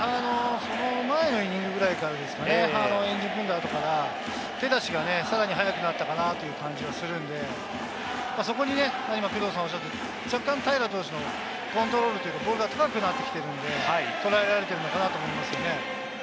その前のイニングぐらいからですかね、手出しがさらに早くなったかなという感じはするんで、そこに今、工藤さんがおっしゃったように、若干、平良投手のコントロールというか、ボールが高くなってきているので捉えられているのかなと思いますね。